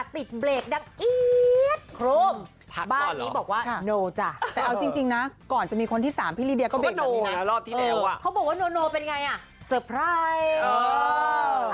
พี่แมททิวเนี่ยเขายังไม่ตอบเพราะยังอำอึ้งอยู่